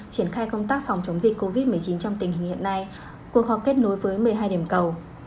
triển khai công tác phòng chống dịch covid một mươi chín trong tình hình hiện nay cuộc họp kết nối với một mươi hai điểm cầu